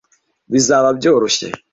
bizaba byoroshye.